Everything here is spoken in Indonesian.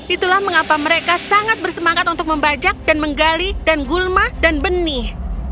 itulah mengapa mereka sangat bersemangat untuk membajak dan menggali dan gulma dan benih